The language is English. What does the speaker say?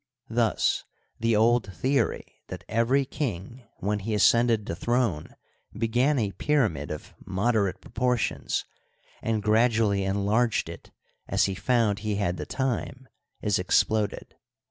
Thus the old theory that every 3cing when he ascended the throne began a pyramid of moderate proportions, and gradually enlarged it as he found he had the time, is exploded.